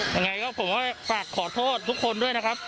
ยังไงก็ผมก็ฝากขอโทษทุกคนด้วยนะครับ